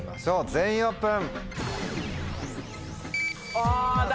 全員オープン！